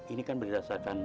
ini kan berdasarkan